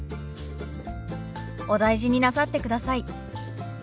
「お大事になさってください」。